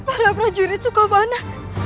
para prajurit sukamana